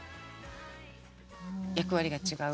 役割が違う？